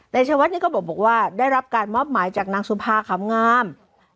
นายฉวัตต์นี้ก็มาบอกว่าได้รับการมอบหมายจากนางสุภาขามงาม